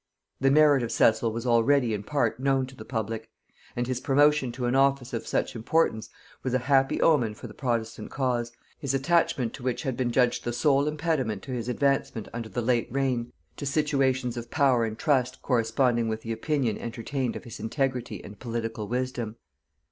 The merit of Cecil was already in part known to the public; and his promotion to an office of such importance was a happy omen for the protestant cause, his attachment to which had been judged the sole impediment to his advancement under the late reign to situations of power and trust corresponding with the opinion entertained of his integrity and political wisdom.